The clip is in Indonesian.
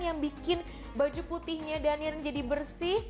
yang bikin baju putihnya daniel jadi bersih